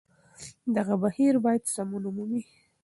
دغه بهير بايد سمون ومومي